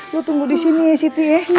lo tunggu di sini siti ya